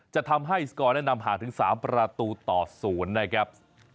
จะทำให้สกอร์แนะนำห่างถึง๓ประตูต่อ๐นะครับ